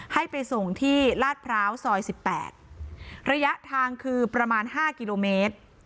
ให้ไปส่งที่ลาดพร้าวซอย๑๘ระยะทางคือประมาณ๕กิโลเมตร